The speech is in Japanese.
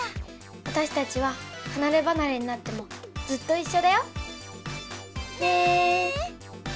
わたしたちははなればなれになってもずっといっしょだよ。ね！